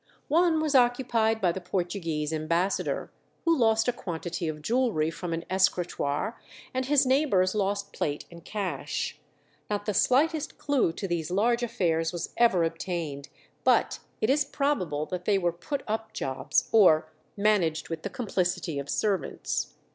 One was occupied by the Portuguese ambassador, who lost a quantity of jewellery from an escritoire, and his neighbours lost plate and cash. Not the slightest clue to these large affairs was ever obtained, but it is probable that they were "put up" jobs, or managed with the complicity of servants.